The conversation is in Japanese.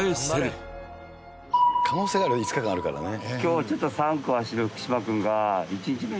可能性あるよ５日間あるからね。